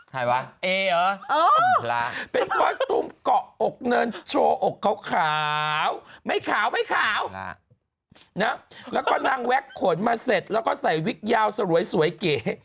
วะเอเหรอเป็นคอสตูมเกาะอกเนินโชว์อกขาวไม่ขาวไม่ขาวนะแล้วก็นางแว็กขนมาเสร็จแล้วก็ใส่วิกยาวสรวยสวยเก๋